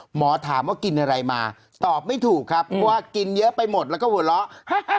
หมอถามว่ากินอะไรมาตอบไม่ถูกครับเพราะว่ากินเยอะไปหมดแล้วก็หัวเราะ